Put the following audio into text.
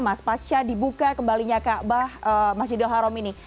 mas pasca dibuka kembalinya kaabah masjidil haram ini